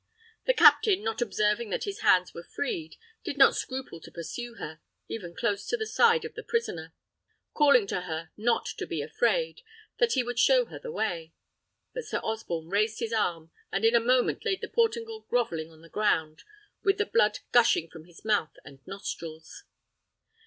The captain, not observing that his hands were freed, did not scruple to pursue her, even close to the side of the prisoner, calling to her not to be afraid; that he would show her the way. But Sir Osborne raised his arm, and in a moment laid the Portingal grovelling on the ground, with the blood gushing from his mouth and nostrils.